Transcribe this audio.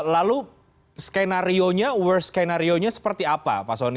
lalu skenarionya worst skenarionya seperti apa pak soni